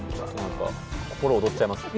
心躍っちゃいますね。